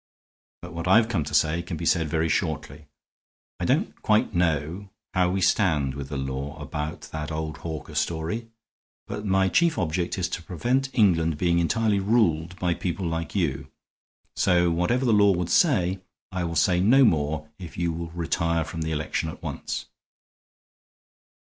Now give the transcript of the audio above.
But what I've come to say can be said very shortly. I don't quite know how we stand with the law about that old Hawker story, but my chief object is to prevent England being entirely ruled by people like you. So whatever the law would say, I will say no more if you will retire from the election at once."